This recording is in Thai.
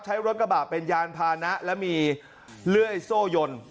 ใช้รถกระบะเป็นยานพานะและมีเลื่อยโซ่ยน